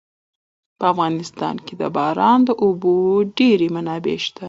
په افغانستان کې د باران د اوبو ډېرې منابع شته.